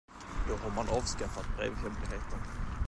Då har man avskaffat brevhemligheten.